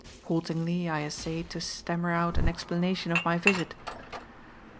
Haltingly I essayed to stammer out an explanation of my visit.